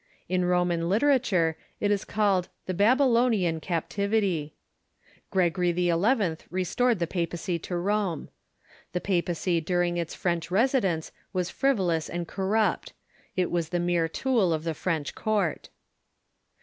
In Roman literature it is called the " Babylo nian Captivity." Gregory XI. restored the papacy to Rome. The papacy during its French residence was frivolous and cor rupt. It Avas the mere tool of the French court.